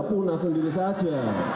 punah sendiri saja